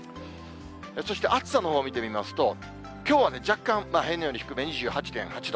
そして、暑さのほう見てみますと、きょうはね、若干、平年より低くて２８．８度。